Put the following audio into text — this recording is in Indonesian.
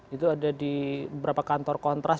itu ada di beberapa kantor kontras